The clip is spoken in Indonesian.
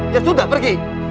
ya sudah pergi